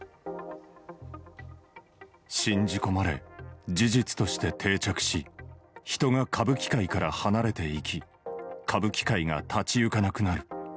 信じ込まれ、事実として定着し、人が歌舞伎界から離れていき、歌舞伎界が立ち行かなくなる。